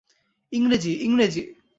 ইংরেজি, ইংরেজি।